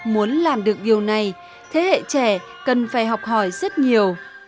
muốn làm được điều này thế hệ trẻ cần phải học hỏi rất nhiều